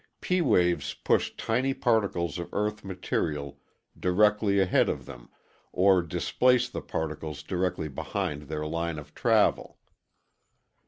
P waves push tiny particles of Earth material directly ahead of them or displace the particles directly behind their line of travel.